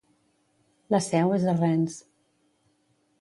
La seu és a Rennes.